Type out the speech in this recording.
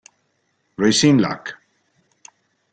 Racing Luck